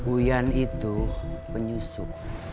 uyan itu penyusup